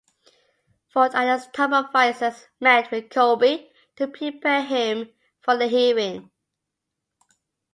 Ford and his top advisers met with Colby to prepare him for the hearing.